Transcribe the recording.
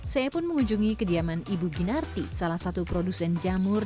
saya pun mengunjungi kediaman ibu ginarti salah satu produsen jamur